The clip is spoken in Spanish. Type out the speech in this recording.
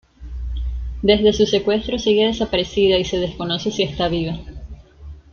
Desde su secuestro sigue desaparecida y se desconoce si está viva.